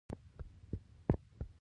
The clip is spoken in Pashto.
اوریدلو او اساسي پلانونو د جوړولو کې.